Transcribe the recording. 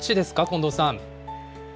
近藤さん。